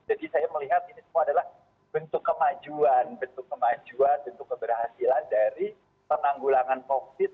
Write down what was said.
jadi saya melihat ini semua adalah bentuk kemajuan bentuk keberhasilan dari penanggulangan covid sembilan belas